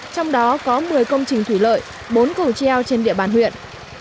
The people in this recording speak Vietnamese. trong đó có một mươi công trình thủy lợi bốn cầu treo trên địa bàn huyện